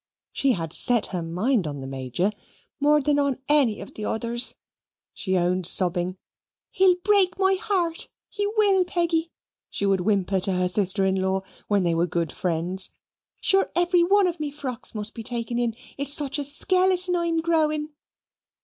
She had set her mind on the Major "more than on any of the others," she owned, sobbing. "He'll break my heart, he will, Peggy," she would whimper to her sister in law when they were good friends; "sure every one of me frocks must be taken in it's such a skeleton I'm growing."